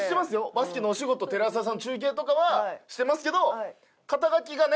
バスケのお仕事テレ朝さんの中継とかはしてますけど肩書がね。